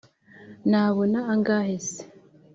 nabona angahe se?